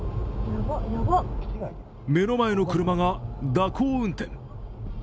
目の前の車が蛇行運転。